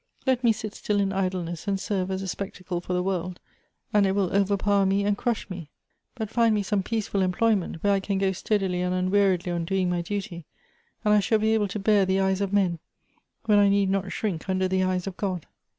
Let me sit still in idleness and serve as a spectacle for the world, and it will overpower me and crush me. But find me some peaceful employment, where I can go steadily and unweariedly on doing my duty, and I shall be able to bear the eyes of men, when I need not shrink under the eyes of God."